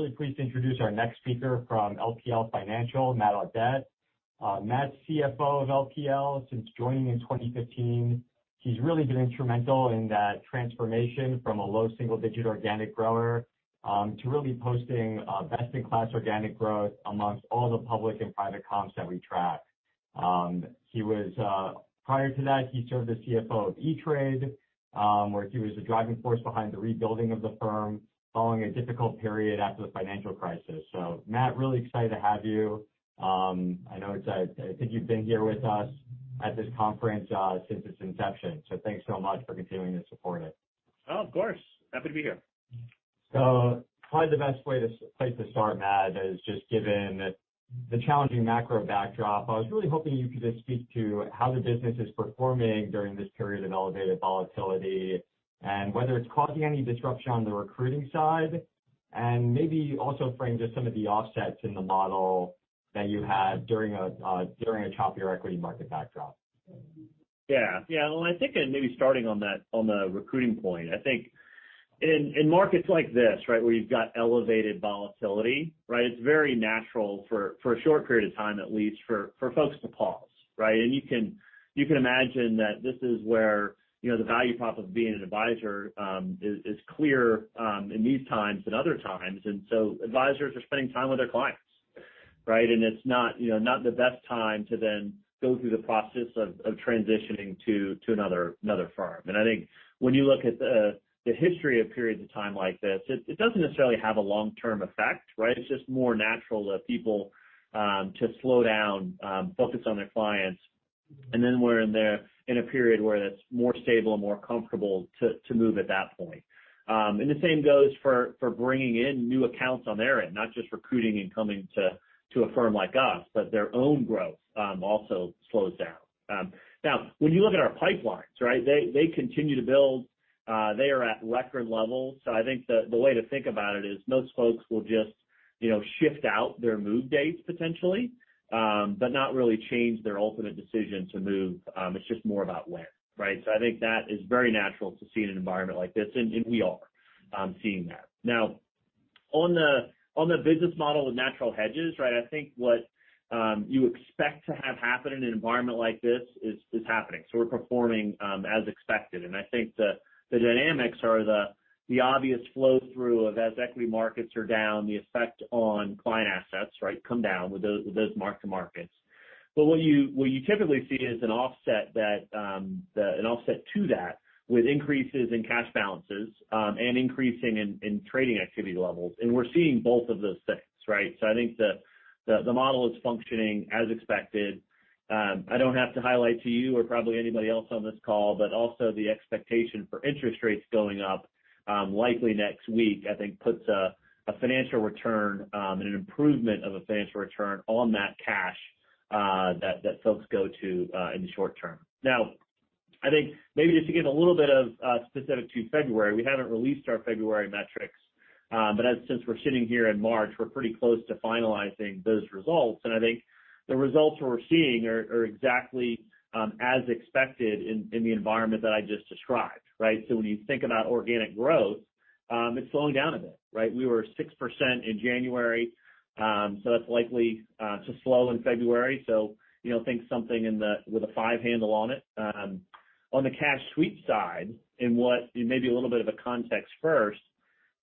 I'm really pleased to introduce our next speaker from LPL Financial, Matt Audette. Matt's CFO of LPL since joining in 2015. He's really been instrumental in that transformation from a low single-digit organic grower to really posting best-in-class organic growth amongst all the public and private comps that we track. Prior to that, he served as CFO of E*TRADE, where he was the driving force behind the rebuilding of the firm following a difficult period after the financial crisis. So, Matt, really excited to have you. I know it's, I think you've been here with us at this conference since its inception. So thanks so much for continuing to support it. Oh, of course. Happy to be here. So probably the best place to start, Matt, is just given the challenging macro backdrop. I was really hoping you could just speak to how the business is performing during this period of elevated volatility and whether it's causing any disruption on the recruiting side and maybe also frame just some of the offsets in the model that you had during a choppier equity market backdrop. Yeah. Well, I think maybe starting on the recruiting point, I think in markets like this, right, where you've got elevated volatility, right, it's very natural for a short period of time, at least, for folks to pause. Right? And you can imagine that this is where the value prop of being an advisor is clearer in these times than other times. And so advisors are spending time with their clients. Right? And it's not the best time to then go through the process of transitioning to another firm. And I think when you look at the history of periods of time like this, it doesn't necessarily have a long-term effect. Right? It's just more natural for people to slow down, focus on their clients, and then we're in a period where it's more stable and more comfortable to move at that point. The same goes for bringing in new accounts on their end, not just recruiting and coming to a firm like us, but their own growth also slows down. Now, when you look at our pipelines, right, they continue to build. They are at record levels. I think the way to think about it is most folks will just shift out their move dates potentially, but not really change their ultimate decision to move. It's just more about when. Right? So I think that is very natural to see in an environment like this. And we are seeing that. Now, on the business model with natural hedges, right, I think what you expect to have happen in an environment like this is happening. So we're performing as expected. I think the dynamics are the obvious flow-through of as equity markets are down, the effect on client assets, right, come down with those mark-to-markets. What you typically see is an offset to that with increases in cash balances and increasing in trading activity levels. We're seeing both of those things. Right? I think the model is functioning as expected. I don't have to highlight to you or probably anybody else on this call, but also the expectation for interest rates going up likely next week, I think, puts a financial return and an improvement of a financial return on that cash that folks go to in the short term. Now, I think maybe just to give a little bit of specific to February, we haven't released our February metrics. Since we're sitting here in March, we're pretty close to finalizing those results. I think the results we're seeing are exactly as expected in the environment that I just described. Right? So when you think about organic growth, it's slowing down a bit. Right? We were 6% in January. So that's likely to slow in February. So think something with a five-handle on it. On the cash sweep side and maybe a little bit of a context first,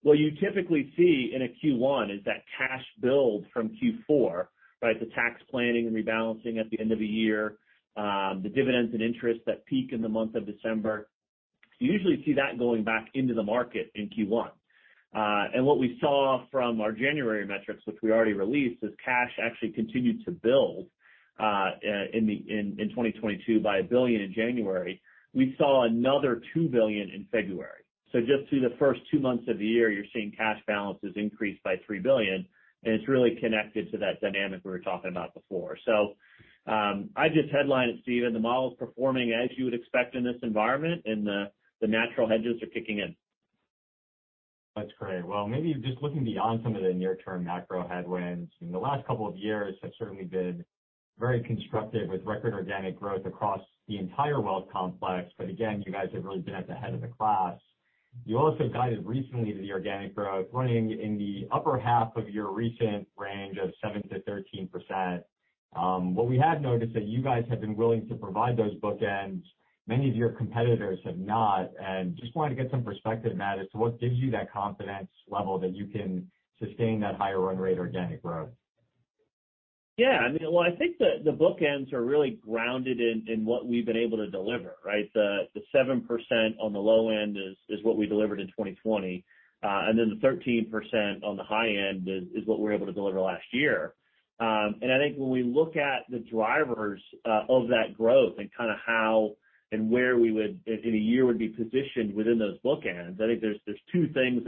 what you typically see in a Q1 is that cash build from Q4, right, the tax planning and rebalancing at the end of the year, the dividends and interest that peak in the month of December. You usually see that going back into the market in Q1. And what we saw from our January metrics, which we already released, is cash actually continued to build in 2022 by $1 billion in January. We saw another $2 billion in February. So just through the first two months of the year, you're seeing cash balances increase by $3 billion. And it's really connected to that dynamic we were talking about before. I just headline it, Steven. The model's performing as you would expect in this environment, and the natural hedges are kicking in. That's great. Well, maybe just looking beyond some of the near-term macro headwinds, the last couple of years have certainly been very constructive with record organic growth across the entire wealth complex. But again, you guys have really been at the head of the class. You also guided recently to the organic growth, running in the upper half of your recent range of 7%-13%. What we have noticed is that you guys have been willing to provide those bookends. Many of your competitors have not, and just wanted to get some perspective, Matt, as to what gives you that confidence level that you can sustain that higher run rate organic growth? Yeah. I mean, well, I think the bookends are really grounded in what we've been able to deliver. Right? The 7% on the low end is what we delivered in 2020. And then the 13% on the high end is what we were able to deliver last year. And I think when we look at the drivers of that growth and kind of how and where we would, in a year, be positioned within those bookends, I think there's two things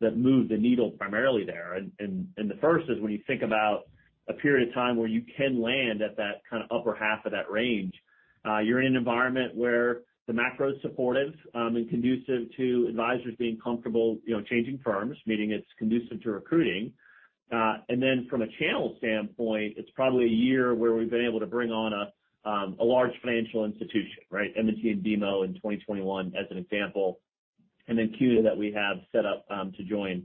that move the needle primarily there. And the first is when you think about a period of time where you can land at that kind of upper half of that range, you're in an environment where the macro's supportive and conducive to advisors being comfortable changing firms, meaning it's conducive to recruiting. And then from a channel standpoint, it's probably a year where we've been able to bring on a large financial institution, right, M&T and BMO in 2021 as an example, and then CUNA that we have set up to join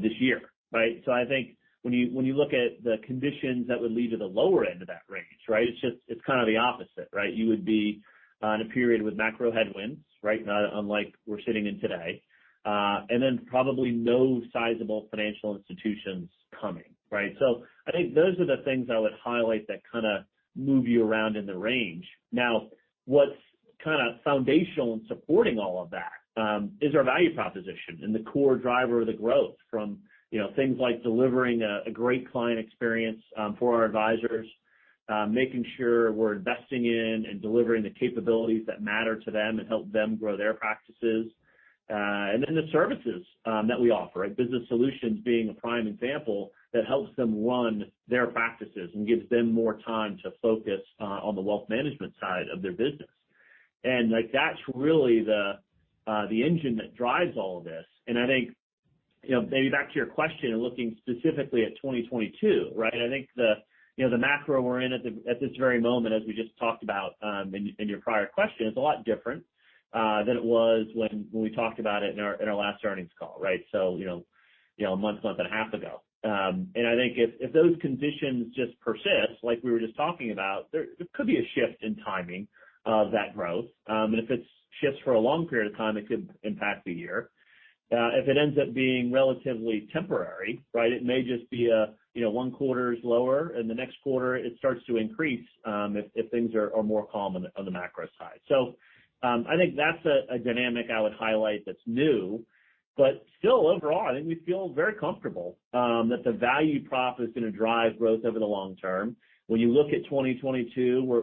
this year. Right? So I think when you look at the conditions that would lead to the lower end of that range, right, it's kind of the opposite. Right? You would be in a period with macro headwinds, right, unlike we're sitting in today, and then probably no sizable financial institutions coming. Right? So I think those are the things I would highlight that kind of move you around in the range. Now, what's kind of foundational and supporting all of that is our value proposition and the core driver of the growth from things like delivering a great client experience for our advisors, making sure we're investing in and delivering the capabilities that matter to them and help them grow their practices, and then the services that we offer, right, business solutions being a prime example that helps them run their practices and gives them more time to focus on the wealth management side of their business. And that's really the engine that drives all of this. I think maybe back to your question and looking specifically at 2022, right? I think the macro we're in at this very moment, as we just talked about in your prior question, is a lot different than it was when we talked about it in our last earnings call, right? So a month, month and a half ago. And I think if those conditions just persist, like we were just talking about, there could be a shift in timing of that growth. And if it shifts for a long period of time, it could impact the year. If it ends up being relatively temporary, right, it may just be one quarter's lower, and the next quarter it starts to increase if things are more calm on the macro side. I think that's a dynamic I would highlight that's new. But still, overall, I think we feel very comfortable that the value prop is going to drive growth over the long term. When you look at 2022, we're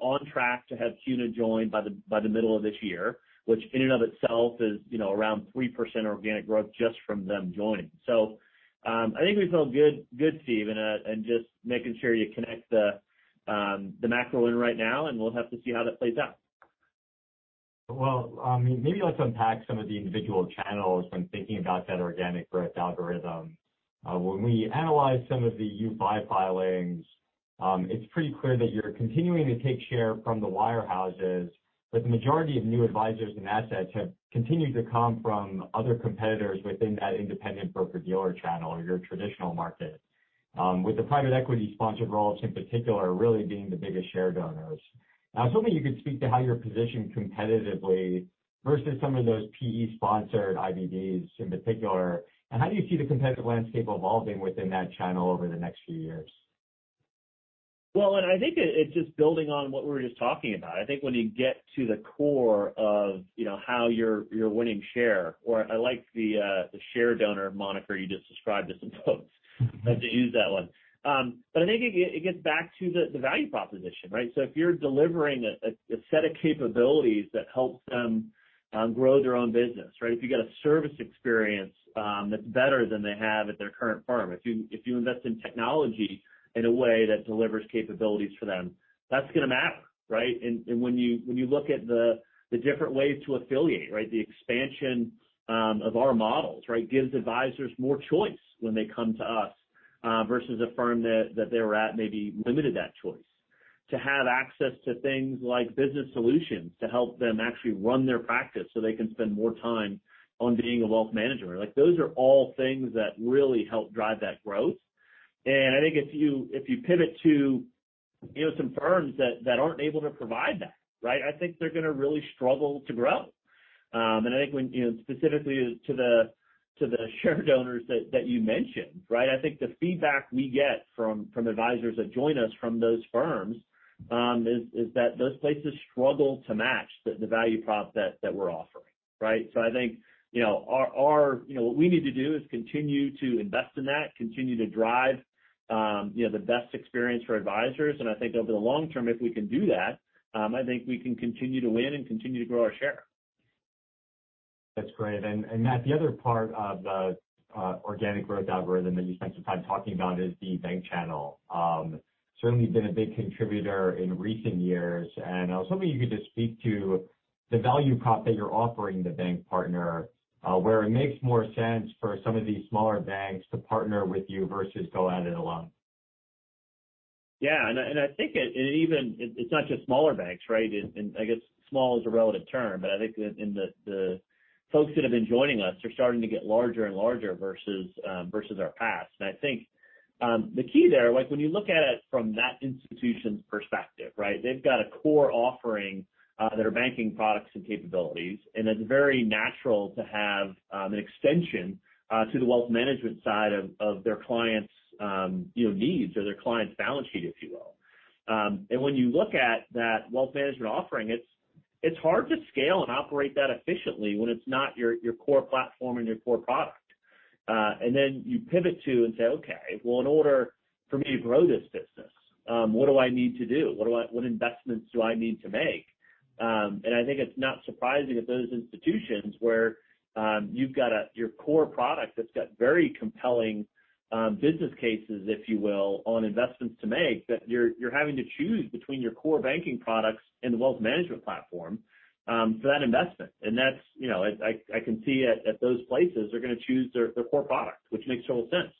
on track to have CUNA joined by the middle of this year, which in and of itself is around 3% organic growth just from them joining. So I think we feel good, Steven, and just making sure you connect the macro in right now, and we'll have to see how that plays out. Well, maybe let's unpack some of the individual channels when thinking about that organic growth algorithm. When we analyze some of the U5 filings, it's pretty clear that you're continuing to take share from the wirehouses, but the majority of new advisors and assets have continued to come from other competitors within that independent broker-dealer channel or your traditional market, with the private equity-sponsored roll-ups in particular really being the biggest share donors. I was hoping you could speak to how you're positioned competitively versus some of those PE-sponsored IBDs in particular, and how do you see the competitive landscape evolving within that channel over the next few years? Well, and I think it's just building on what we were just talking about. I think when you get to the core of how you're winning share, or I like the share donor moniker you just described to some folks. I have to use that one. But I think it gets back to the value proposition, right? So if you're delivering a set of capabilities that helps them grow their own business, right, if you've got a service experience that's better than they have at their current firm, if you invest in technology in a way that delivers capabilities for them, that's going to matter. Right? When you look at the different ways to affiliate, right, the expansion of our models, right, gives advisors more choice when they come to us versus a firm that they were at maybe limited that choice to have access to things like Business Solutions to help them actually run their practice so they can spend more time on being a wealth manager. Those are all things that really help drive that growth. And I think if you pivot to some firms that aren't able to provide that, right, I think they're going to really struggle to grow. And I think specifically to the share donors that you mentioned, right, I think the feedback we get from advisors that join us from those firms is that those places struggle to match the value prop that we're offering. Right? I think what we need to do is continue to invest in that, continue to drive the best experience for advisors. And I think over the long term, if we can do that, I think we can continue to win and continue to grow our share. That's great. And Matt, the other part of the organic growth algorithm that you spent some time talking about is the bank channel. Certainly been a big contributor in recent years. And I was hoping you could just speak to the value prop that you're offering the bank partner, where it makes more sense for some of these smaller banks to partner with you versus go at it alone. Yeah. And I think it's not just smaller banks, right? And I guess small is a relative term, but I think the folks that have been joining us are starting to get larger and larger versus our past. And I think the key there, when you look at it from that institution's perspective, right, they've got a core offering that are banking products and capabilities. And it's very natural to have an extension to the wealth management side of their clients' needs or their clients' balance sheet, if you will. And when you look at that wealth management offering, it's hard to scale and operate that efficiently when it's not your core platform and your core product. And then you pivot to and say, "Okay. Well, in order for me to grow this business, what do I need to do? What investments do I need to make?" and I think it's not surprising at those institutions where you've got your core product that's got very compelling business cases, if you will, on investments to make, that you're having to choose between your core banking products and the wealth management platform for that investment, and I can see at those places they're going to choose their core product, which makes total sense,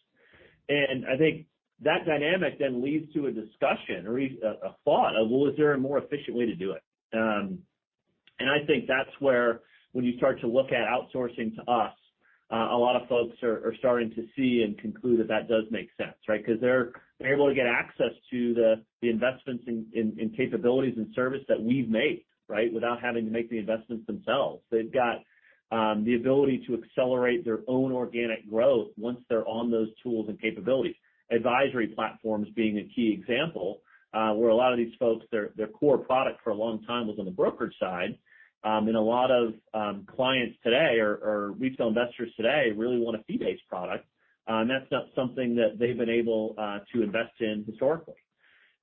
and I think that dynamic then leads to a discussion or a thought of, "Well, is there a more efficient way to do it?", and I think that's where when you start to look at outsourcing to us, a lot of folks are starting to see and conclude that that does make sense, right, because they're able to get access to the investments and capabilities and service that we've made, right, without having to make the investments themselves. They've got the ability to accelerate their own organic growth once they're on those tools and capabilities. Advisory platforms being a key example where a lot of these folks, their core product for a long time was on the brokerage side. And a lot of clients today or retail investors today really want a fee-based product. And that's not something that they've been able to invest in historically.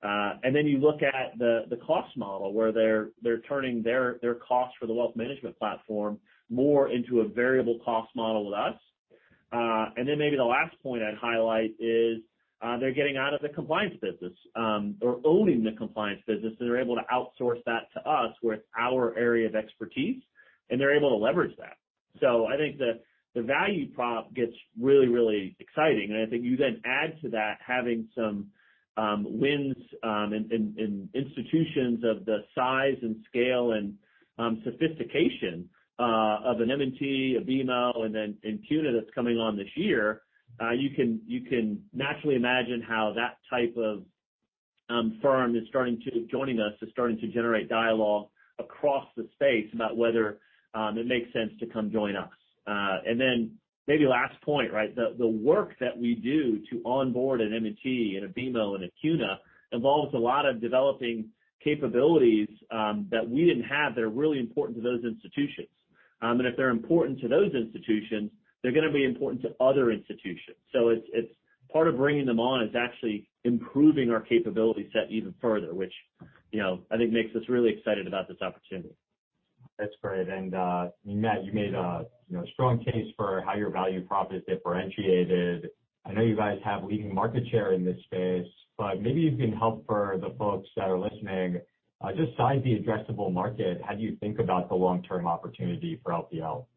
And then you look at the cost model where they're turning their cost for the wealth management platform more into a variable cost model with us. And then maybe the last point I'd highlight is they're getting out of the compliance business or owning the compliance business, and they're able to outsource that to us where it's our area of expertise, and they're able to leverage that. I think the value prop gets really, really exciting. I think you then add to that having some wins in institutions of the size and scale and sophistication of an M&T, a BMO, and then in CUNA that's coming on this year. You can naturally imagine how that type of firm is starting to join us, is starting to generate dialogue across the space about whether it makes sense to come join us. Then maybe last point, right, the work that we do to onboard an M&T and a BMO and a CUNA involves a lot of developing capabilities that we didn't have that are really important to those institutions. If they're important to those institutions, they're going to be important to other institutions. Part of bringing them on is actually improving our capability set even further, which I think makes us really excited about this opportunity. That's great. And Matt, you made a strong case for how your value prop is differentiated. I know you guys have leading market share in this space, but maybe you can help for the folks that are listening, just size the addressable market, how do you think about the long-term opportunity for LPL?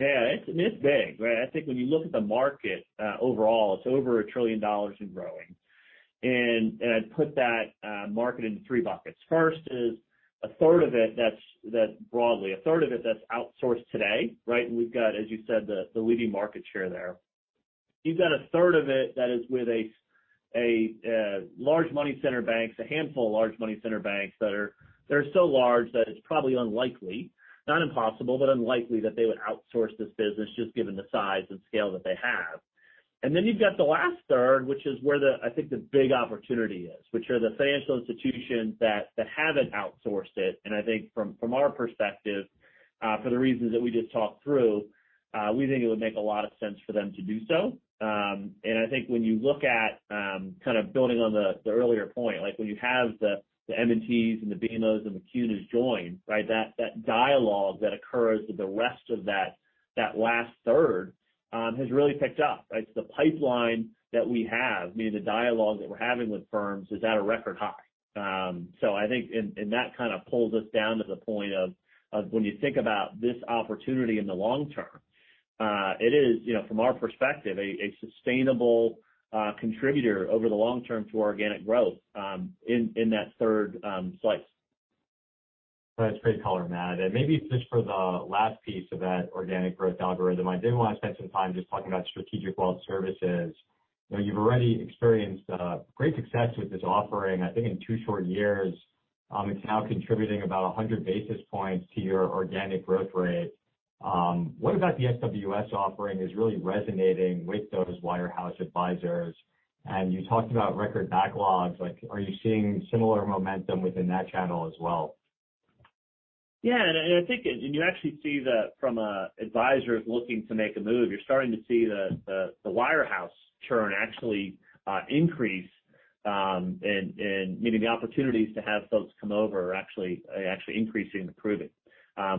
Yeah. It's big. Right? I think when you look at the market overall, it's over $1 trillion and growing. I'd put that market into three buckets. First is a third of it that's broadly, a third of it that's outsourced today, right, and we've got, as you said, the leading market share there. You've got a third of it that is with a large money center bank, a handful of large money center banks that are so large that it's probably unlikely, not impossible, but unlikely that they would outsource this business just given the size and scale that they have. Then you've got the last third, which is where I think the big opportunity is, which are the financial institutions that haven't outsourced it. And I think from our perspective, for the reasons that we just talked through, we think it would make a lot of sense for them to do so. And I think when you look at kind of building on the earlier point, when you have the M&Ts and the BMOs and the CUNAs join, right, that dialogue that occurs with the rest of that last third has really picked up, right? So the pipeline that we have, meaning the dialogue that we're having with firms, is at a record high. I think that kind of pulls us down to the point of when you think about this opportunity in the long term, it is, from our perspective, a sustainable contributor over the long term to organic growth in that third slice. That's great color, Matt. And maybe just for the last piece of that organic growth algorithm, I did want to spend some time just talking about Strategic Wealth Services. You've already experienced great success with this offering, I think, in two short years. It's now contributing about 100 basis points to your organic growth rate. What about the SWS offering is really resonating with those wirehouse advisors? And you talked about record backlogs. Are you seeing similar momentum within that channel as well? Yeah. And I think you actually see that from advisors looking to make a move. You're starting to see the wirehouse churn actually increase and maybe the opportunities to have folks come over are actually increasing and improving,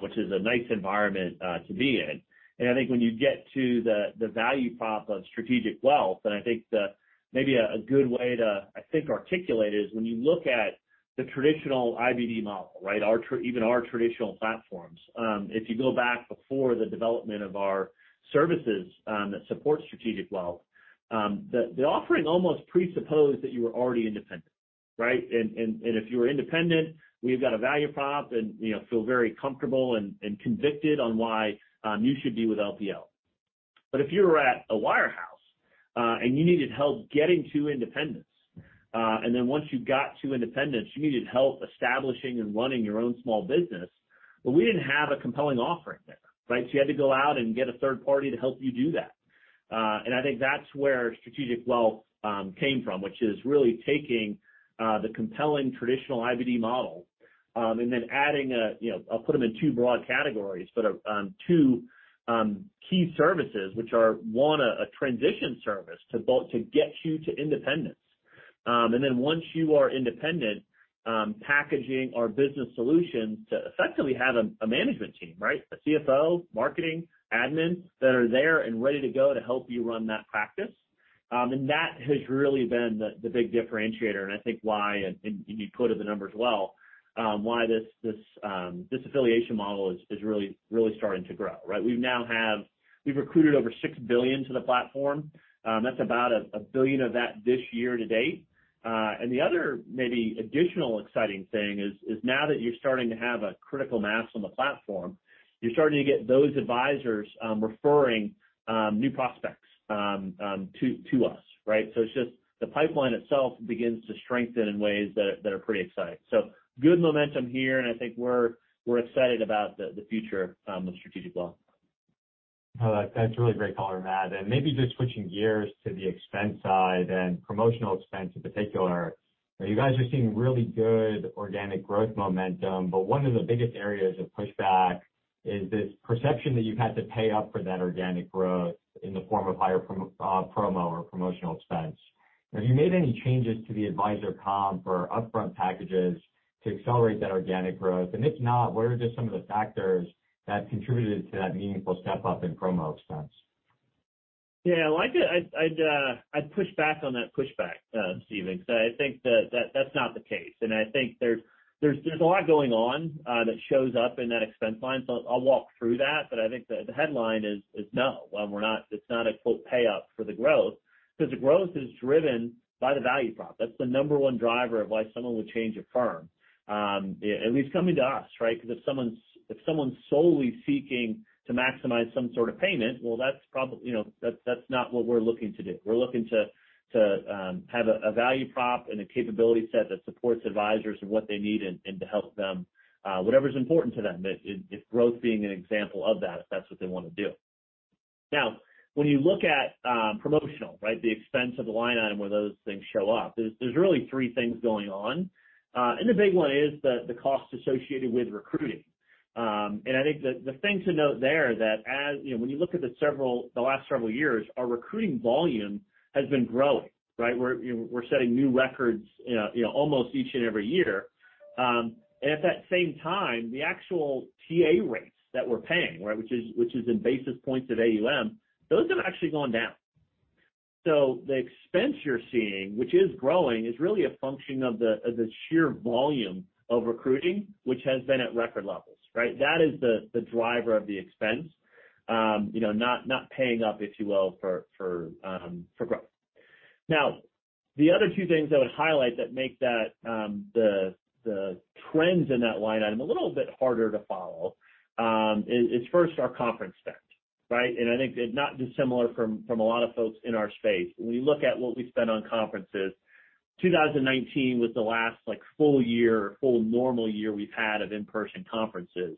which is a nice environment to be in. And I think when you get to the value prop of Strategic Wealth, and I think maybe a good way to, I think, articulate it is when you look at the traditional IBD model, right? Even our traditional platforms, if you go back before the development of our services that support Strategic Wealth, the offering almost presupposed that you were already independent, right? And if you were independent, we've got a value prop and feel very comfortable and convicted on why you should be with LPL. But if you were at a wirehouse and you needed help getting to independence, and then once you got to independence, you needed help establishing and running your own small business, well, we didn't have a compelling offering there, right? So you had to go out and get a third party to help you do that. And I think that's where Strategic Wealth came from, which is really taking the compelling traditional IBD model and then adding a, I'll put them in two broad categories, but two key services, which are one, a transition service to get you to independence. And then once you are independent, packaging our Business Solutions to effectively have a management team, right, a CFO, marketing, admin that are there and ready to go to help you run that practice. And that has really been the big differentiator. And I think why, and you quoted the numbers well, why this affiliation model is really starting to grow, right? We've recruited over $6 billion to the platform. That's about $1 billion of that this year to date. And the other maybe additional exciting thing is now that you're starting to have a critical mass on the platform, you're starting to get those advisors referring new prospects to us, right? So it's just the pipeline itself begins to strengthen in ways that are pretty exciting. So good momentum here, and I think we're excited about the future of Strategic Wealth. That's really great color, Matt. And maybe just switching gears to the expense side and promotional expense in particular, you guys are seeing really good organic growth momentum, but one of the biggest areas of pushback is this perception that you've had to pay up for that organic growth in the form of higher promo or promotional expense. Have you made any changes to the advisor comp or upfront packages to accelerate that organic growth? And if not, what are just some of the factors that contributed to that meaningful step up in promo expense? Yeah. I'd push back on that pushback, Steven, because I think that that's not the case, and I think there's a lot going on that shows up in that expense line. I'll walk through that, but I think the headline is no. It's not a quote pay-up for the growth because the growth is driven by the value prop. That's the number one driver of why someone would change a firm, at least coming to us, right? Because if someone's solely seeking to maximize some sort of payment, well, that's not what we're looking to do. We're looking to have a value prop and a capability set that supports advisors and what they need and to help them, whatever's important to them, if growth being an example of that, if that's what they want to do. Now, when you look at promotional, right, the expense of the line item where those things show up, there's really three things going on. And the big one is the cost associated with recruiting. And I think the thing to note there is that when you look at the last several years, our recruiting volume has been growing, right? We're setting new records almost each and every year. And at that same time, the actual TA rates that we're paying, right, which is in basis points of AUM, those have actually gone down. So the expense you're seeing, which is growing, is really a function of the sheer volume of recruiting, which has been at record levels, right? That is the driver of the expense, not paying up, if you will, for growth. Now, the other two things I would highlight that make the trends in that line item a little bit harder to follow is first our conference spend, right? And I think not dissimilar from a lot of folks in our space. When you look at what we spend on conferences, 2019 was the last full year, full normal year we've had of in-person conferences.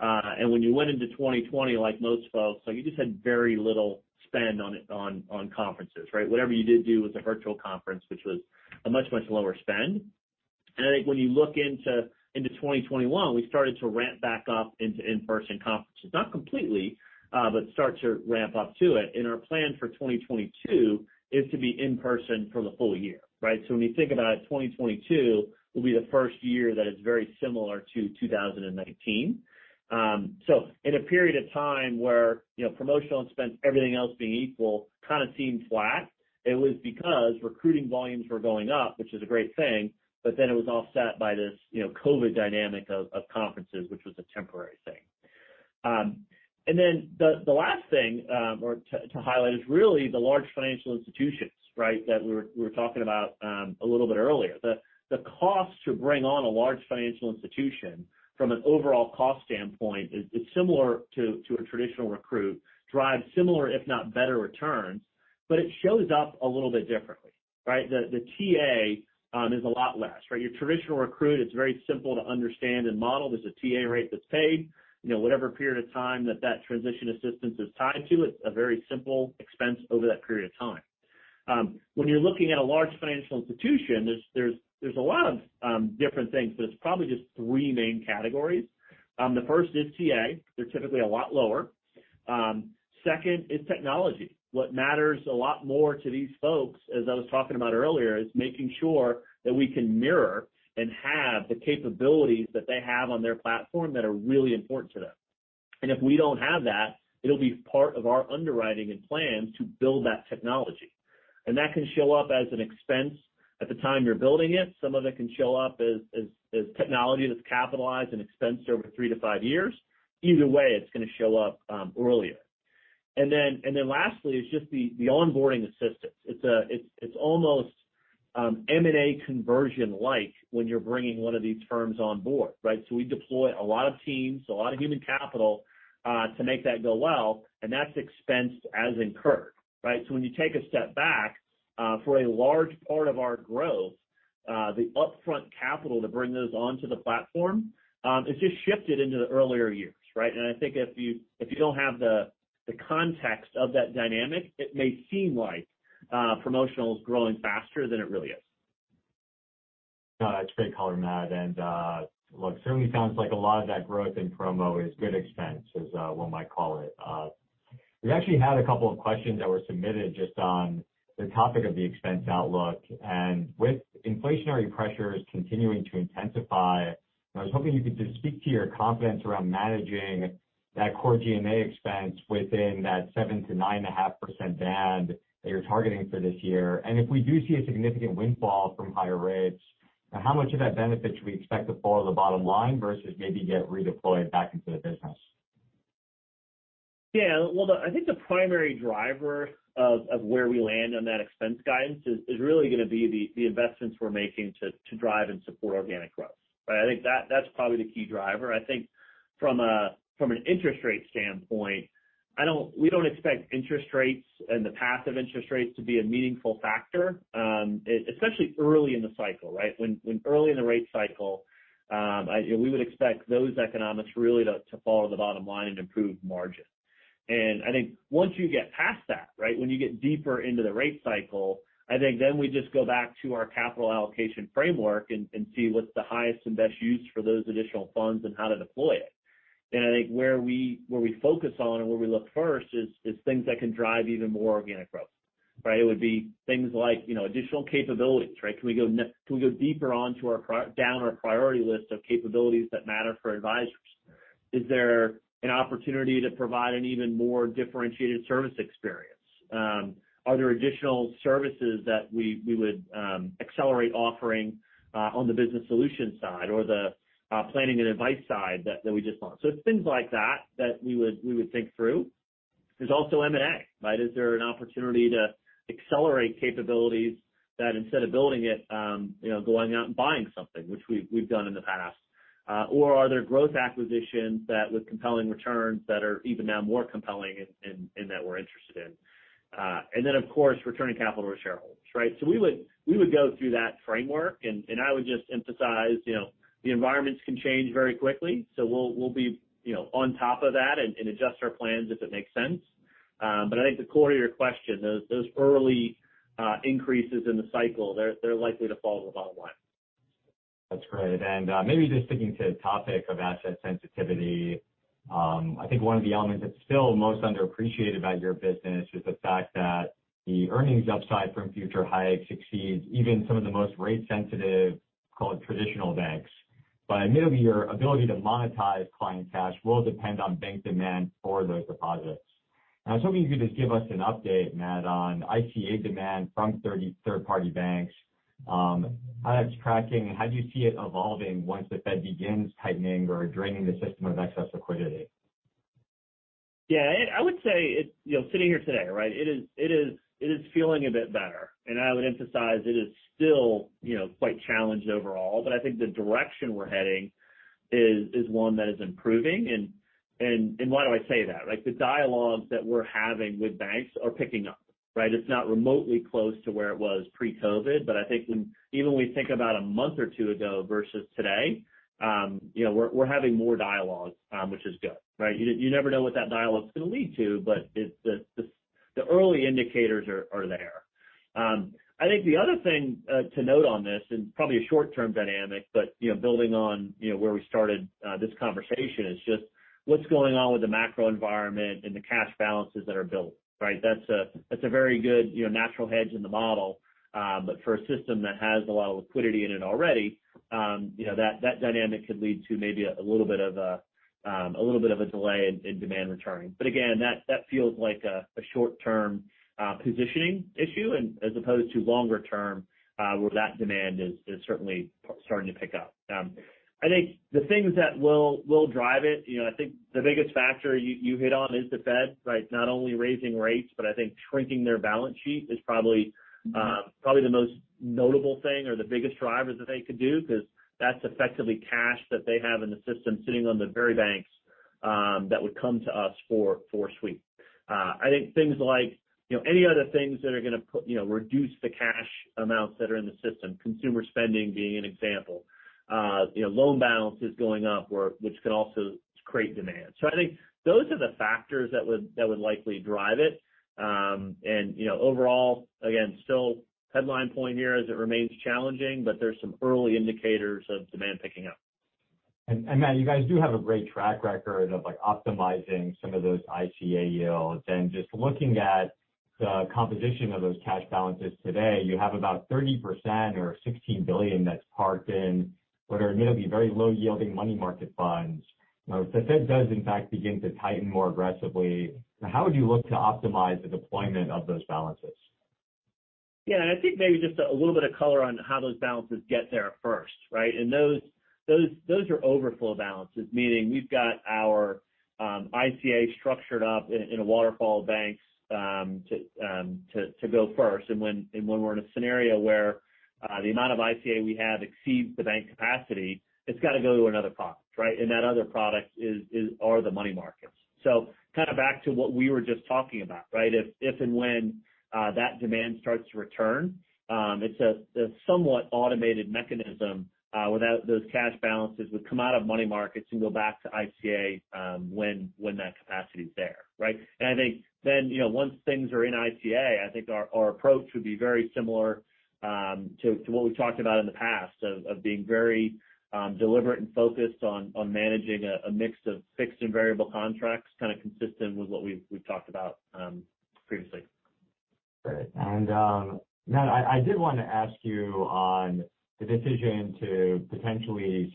And when you went into 2020, like most folks, you just had very little spend on conferences, right? Whatever you did do was a virtual conference, which was a much, much lower spend. And I think when you look into 2021, we started to ramp back up into in-person conferences, not completely, but start to ramp up to it. And our plan for 2022 is to be in-person for the full year, right? So when you think about it, 2022 will be the first year that is very similar to 2019. So in a period of time where promotional expense, everything else being equal, kind of seemed flat, it was because recruiting volumes were going up, which is a great thing, but then it was offset by this COVID dynamic of conferences, which was a temporary thing. And then the last thing to highlight is really the large financial institutions, right, that we were talking about a little bit earlier. The cost to bring on a large financial institution from an overall cost standpoint is similar to a traditional recruit, drives similar, if not better returns, but it shows up a little bit differently, right? The TA is a lot less, right? Your traditional recruit, it's very simple to understand and model. There's a TA rate that's paid. Whatever period of time that that transition assistance is tied to, it's a very simple expense over that period of time. When you're looking at a large financial institution, there's a lot of different things, but it's probably just three main categories. The first is TA. They're typically a lot lower. Second is technology. What matters a lot more to these folks, as I was talking about earlier, is making sure that we can mirror and have the capabilities that they have on their platform that are really important to them, and if we don't have that, it'll be part of our underwriting and plans to build that technology, and that can show up as an expense at the time you're building it. Some of it can show up as technology that's capitalized and expensed over three to five years. Either way, it's going to show up earlier. And then lastly is just the onboarding assistance. It's almost M&A conversion-like when you're bringing one of these firms on board, right? So we deploy a lot of teams, a lot of human capital to make that go well, and that's expensed as incurred, right? So when you take a step back, for a large part of our growth, the upfront capital to bring those onto the platform has just shifted into the earlier years, right? And I think if you don't have the context of that dynamic, it may seem like promotional is growing faster than it really is. That's great color, Matt. And certainly sounds like a lot of that growth in promo is good expense, as one might call it. We actually had a couple of questions that were submitted just on the topic of the expense outlook. And with inflationary pressures continuing to intensify, I was hoping you could just speak to your confidence around managing that core G&A expense within that 7%-9.5% band that you're targeting for this year. And if we do see a significant windfall from higher rates, how much of that benefit should we expect to fall to the bottom line versus maybe get redeployed back into the business? Yeah. I think the primary driver of where we land on that expense guidance is really going to be the investments we're making to drive and support organic growth, right? I think that's probably the key driver. I think from an interest rate standpoint, we don't expect interest rates and the path of interest rates to be a meaningful factor, especially early in the cycle, right? When early in the rate cycle, we would expect those economics really to fall to the bottom line and improve margin. And I think once you get past that, right, when you get deeper into the rate cycle, I think then we just go back to our capital allocation framework and see what's the highest and best use for those additional funds and how to deploy it. And I think where we focus on and where we look first is things that can drive even more organic growth, right? It would be things like additional capabilities, right? Can we go deeper down our priority list of capabilities that matter for advisors? Is there an opportunity to provide an even more differentiated service experience? Are there additional services that we would accelerate offering on the business solution side or the planning and advice side that we just launched? So it's things like that that we would think through. There's also M&A, right? Is there an opportunity to accelerate capabilities that instead of building it, going out and buying something, which we've done in the past? Or are there growth acquisitions with compelling returns that are even now more compelling and that we're interested in? And then, of course, returning capital to shareholders, right? We would go through that framework. I would just emphasize the environments can change very quickly, so we'll be on top of that and adjust our plans if it makes sense. I think the core of your question, those early increases in the cycle, they're likely to fall to the bottom line. That's great. And maybe just sticking to the topic of asset sensitivity, I think one of the elements that's still most underappreciated about your business is the fact that the earnings upside from future hikes exceeds even some of the most rate-sensitive, call it traditional banks. But admittedly, your ability to monetize client cash will depend on bank demand for those deposits. And I was hoping you could just give us an update, Matt, on ICA demand from third-party banks, how that's tracking, and how do you see it evolving once the Fed begins tightening or draining the system of excess liquidity? Yeah. I would say sitting here today, right, it is feeling a bit better. And I would emphasize it is still quite challenged overall, but I think the direction we're heading is one that is improving. And why do I say that? The dialogues that we're having with banks are picking up, right? It's not remotely close to where it was pre-COVID, but I think even when we think about a month or two ago versus today, we're having more dialogues, which is good, right? You never know what that dialogue's going to lead to, but the early indicators are there. I think the other thing to note on this, and probably a short-term dynamic, but building on where we started this conversation, is just what's going on with the macro environment and the cash balances that are built, right? That's a very good natural hedge in the model, but for a system that has a lot of liquidity in it already, that dynamic could lead to maybe a little bit of a delay in demand returning. But again, that feels like a short-term positioning issue as opposed to longer-term where that demand is certainly starting to pick up. I think the things that will drive it, I think the biggest factor you hit on is the Fed, right? Not only raising rates, but I think shrinking their balance sheet is probably the most notable thing or the biggest driver that they could do because that's effectively cash that they have in the system sitting on the very banks that would come to us for sweep. I think things like any other things that are going to reduce the cash amounts that are in the system, consumer spending being an example, loan balance is going up, which can also create demand. I think those are the factors that would likely drive it. And overall, again, still headline point here is it remains challenging, but there's some early indicators of demand picking up. Matt, you guys do have a great track record of optimizing some of those ICA yields. Just looking at the composition of those cash balances today, you have about 30% or $16 billion that's parked in what are admittedly very low-yielding money market funds. Now, if the Fed does, in fact, begin to tighten more aggressively, how would you look to optimize the deployment of those balances? Yeah. And I think maybe just a little bit of color on how those balances get there first, right? And those are overflow balances, meaning we've got our ICA structured up in a waterfall of banks to go first. And when we're in a scenario where the amount of ICA we have exceeds the bank capacity, it's got to go to another product, right? And that other product are the money markets. So kind of back to what we were just talking about, right? If and when that demand starts to return, it's a somewhat automated mechanism where those cash balances would come out of money markets and go back to ICA when that capacity is there, right? And I think then once things are in ICA, I think our approach would be very similar to what we've talked about in the past of being very deliberate and focused on managing a mix of fixed and variable contracts, kind of consistent with what we've talked about previously. Great. And Matt, I did want to ask you on the decision to potentially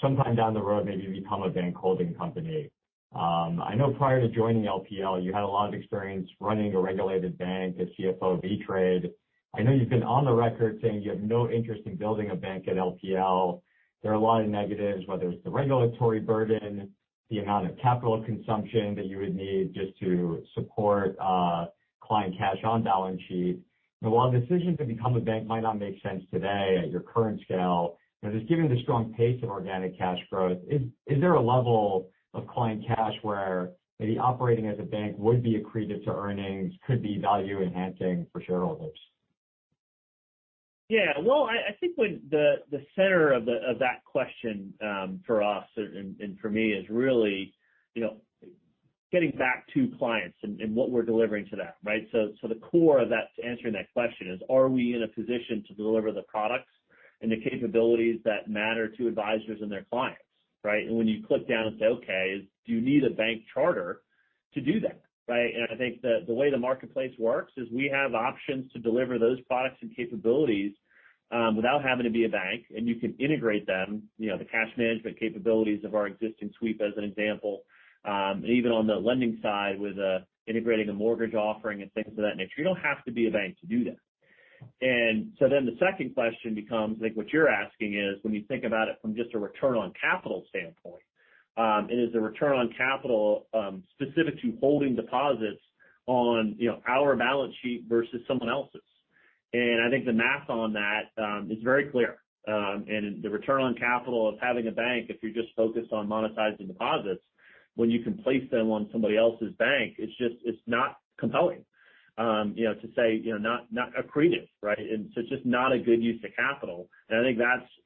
sometime down the road maybe become a bank holding company. I know prior to joining LPL, you had a lot of experience running a regulated bank, a CFO of E*TRADE. I know you've been on the record saying you have no interest in building a bank at LPL. There are a lot of negatives, whether it's the regulatory burden, the amount of capital consumption that you would need just to support client cash on balance sheet. And while the decision to become a bank might not make sense today at your current scale, just given the strong pace of organic cash growth, is there a level of client cash where maybe operating as a bank would be accretive to earnings, could be value-enhancing for shareholders? Yeah. Well, I think the center of that question for us and for me is really getting back to clients and what we're delivering to them, right? So the core of that to answering that question is, are we in a position to deliver the products and the capabilities that matter to advisors and their clients, right? And when you click down and say, "Okay, do you need a bank charter to do that?" Right? And I think the way the marketplace works is we have options to deliver those products and capabilities without having to be a bank, and you can integrate them, the cash management capabilities of our existing sweep as an example. And even on the lending side with integrating a mortgage offering and things of that nature, you don't have to be a bank to do that. And so then the second question becomes. I think what you're asking is, when you think about it from just a return on capital standpoint, is the return on capital specific to holding deposits on our balance sheet versus someone else's? And I think the math on that is very clear. And the return on capital of having a bank, if you're just focused on monetizing deposits, when you can place them on somebody else's bank, it's just not compelling to say not accretive, right? And so it's just not a good use of capital. And I think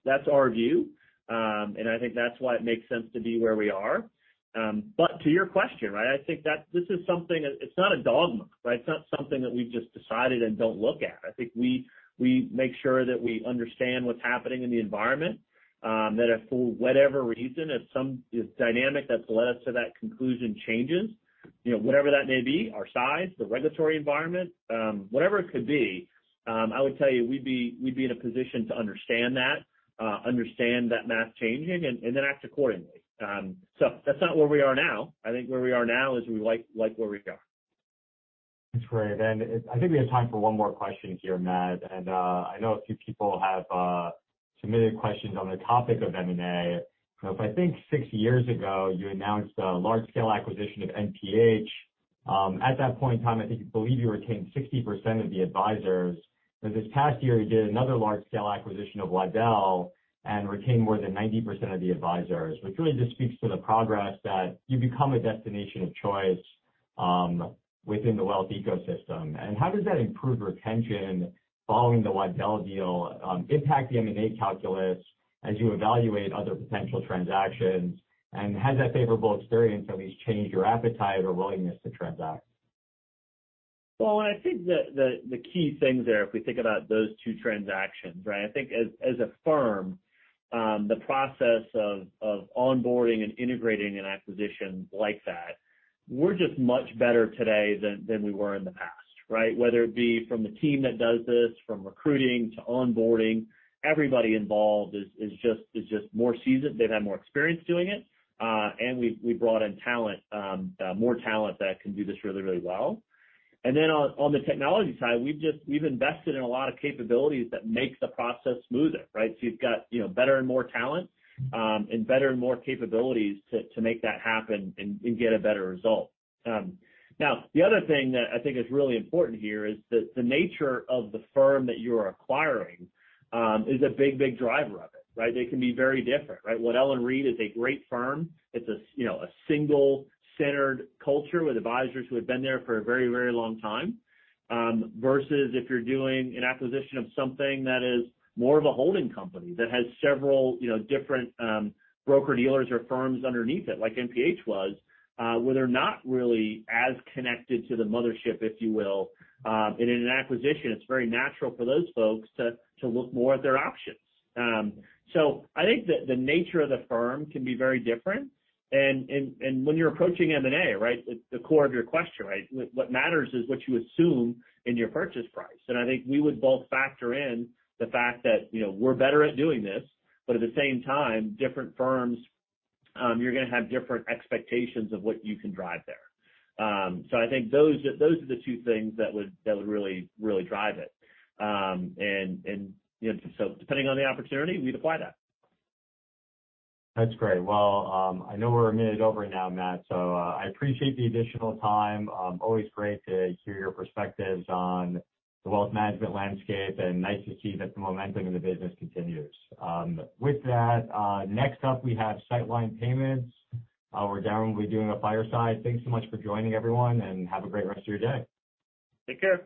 that's our view. And I think that's why it makes sense to be where we are. But to your question, right, I think this is something, it's not a dogma, right? It's not something that we've just decided and don't look at. I think we make sure that we understand what's happening in the environment, that for whatever reason, if some dynamic that's led us to that conclusion changes, whatever that may be, our size, the regulatory environment, whatever it could be, I would tell you we'd be in a position to understand that, understand that math changing, and then act accordingly. So that's not where we are now. I think where we are now is we like where we are. That's great. And I think we have time for one more question here, Matt. And I know a few people have submitted questions on the topic of M&A. If I think six years ago, you announced a large-scale acquisition of NPH. At that point in time, I think you believe you retained 60% of the advisors. But this past year, you did another large-scale acquisition of Waddell and retained more than 90% of the advisors, which really just speaks to the progress that you've become a destination of choice within the wealth ecosystem. And how does that improve retention following the Waddell deal, impact the M&A calculus as you evaluate other potential transactions? And has that favorable experience at least changed your appetite or willingness to transact? I think the key things there, if we think about those two transactions, right, I think as a firm, the process of onboarding and integrating an acquisition like that, we're just much better today than we were in the past, right? Whether it be from the team that does this, from recruiting to onboarding, everybody involved is just more seasoned. They've had more experience doing it. And we brought in more talent that can do this really, really well. And then on the technology side, we've invested in a lot of capabilities that make the process smoother, right? So you've got better and more talent and better and more capabilities to make that happen and get a better result. Now, the other thing that I think is really important here is that the nature of the firm that you're acquiring is a big, big driver of it, right? They can be very different, right? Waddell & Reed is a great firm. It's a single-centered culture with advisors who have been there for a very, very long time versus if you're doing an acquisition of something that is more of a holding company that has several different broker-dealers or firms underneath it, like NPH was, where they're not really as connected to the mothership, if you will. And in an acquisition, it's very natural for those folks to look more at their options. So I think the nature of the firm can be very different. And when you're approaching M&A, right, the core of your question, right, what matters is what you assume in your purchase price. And I think we would both factor in the fact that we're better at doing this, but at the same time, different firms, you're going to have different expectations of what you can drive there. So I think those are the two things that would really, really drive it. And so depending on the opportunity, we'd apply that. That's great. Well, I know we're a minute over now, Matt, so I appreciate the additional time. Always great to hear your perspectives on the wealth management landscape and nice to see that the momentum in the business continues. With that, next up, we have Sightline Payments. We're down to be doing a fireside. Thanks so much for joining, everyone, and have a great rest of your day. Take care.